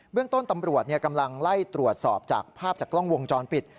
เรื่องต้นตำรวจกำลังไล่ตรวจสอบจากภาพจากกล้องวงจรปิด